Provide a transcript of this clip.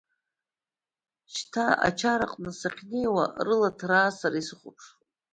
Шьҭа ачараҟны сахьнеиуа, рыла ҭраа сара исыхәаԥшлап.